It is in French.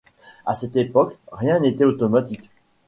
À cette époque, rien n'était automatique.